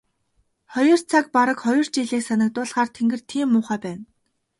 Хоёр цаг бараг хоёр жилийг санагдуулахаар тэнгэр тийм муухай байна.